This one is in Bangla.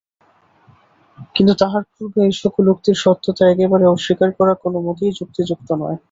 কিন্তু তাহার পূর্বে এই-সকল উক্তির সত্যতা একেবারে অস্বীকার করা কোনমতেই যুক্তিযুক্ত নয়।